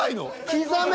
刻め。